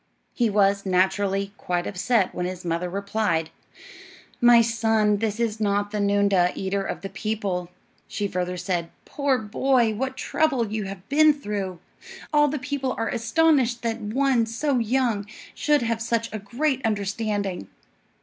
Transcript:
He was, naturally, quite upset when his mother replied, "My son, this is not the noondah, eater of the people." She further said: "Poor boy! what trouble you have been through. All the people are astonished that one so young should have such a great understanding!"